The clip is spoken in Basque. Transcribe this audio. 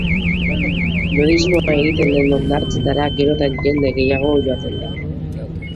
Nudismoa egiten den hondartzetara gero eta jende gehiago joaten da.